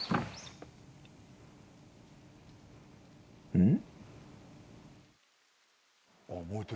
うん？